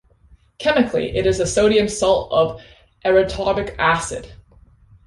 Chemically, it is the sodium salt of erythorbic acid.